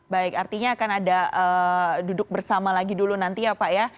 baik artinya akan ada duduk bersama lagi dulu nanti ya pak ya